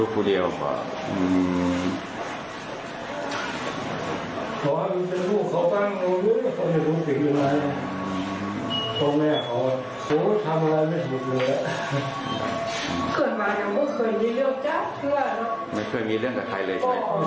เคยมายังไม่เคยมีเรื่องจ๊ะไม่เคยมีเรื่องกับใครเลย